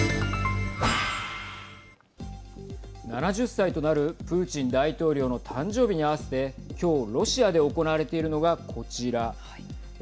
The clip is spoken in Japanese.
７０歳となるプーチン大統領の誕生日に併せて今日、ロシアで行われているのがこちら。